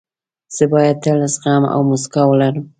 زه باید تل زغم او موسکا ولرم.